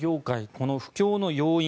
この不況の要因